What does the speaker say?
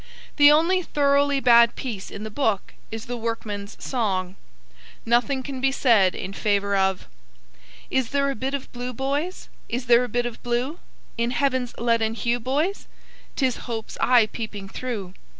The only thoroughly bad piece in the book is The Workman's Song. Nothing can be said in favour of Is there a bit of blue, boys? Is there a bit of blue? In heaven's leaden hue, boys? 'Tis hope's eye peeping through